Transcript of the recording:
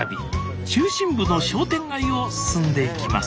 中心部の商店街を進んでいきます